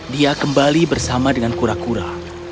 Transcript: dia kembali bersama dengan kura kura